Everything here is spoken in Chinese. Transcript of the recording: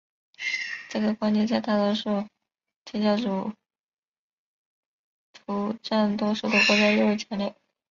这个观念在大多数天主教徒占多数的国家尤为强烈。